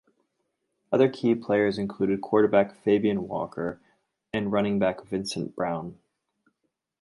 Other key players included quarterback Fabian Walker and running back Vincent Brown.